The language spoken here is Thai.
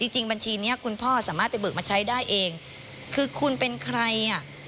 จริงบัญชีนี้คุณพ่อสามารถไปเบิกมาใช้ได้เองคือคุณเป็นใครอ่ะ